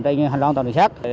trên hành lang đường xác